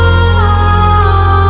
rakyat yang ke darfis